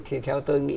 thì theo tôi nghĩ